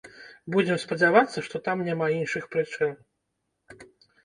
Будзем спадзявацца, што там няма іншых прычын.